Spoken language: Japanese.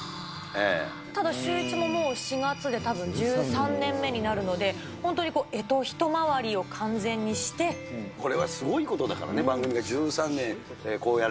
ただシューイチも４月でたぶん１３年目になるので、これはすごいことだからね、本当ですね。